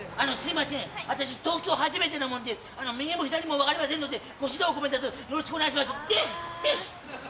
私東京初めてなもんで右も左も分かりませんのでご指導ごべんたつよろしくお願いします。